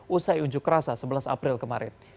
usai unjuk rasa sebelas april kemarin